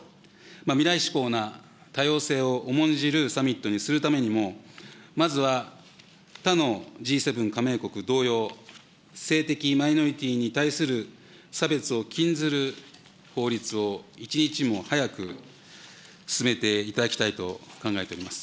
未来志向な多様性を重んじるサミットにするためにも、まずは他のＧ７加盟国同様、性的マイノリティーに対する差別を禁ずる法律を一日も早く進めていただきたいと考えております。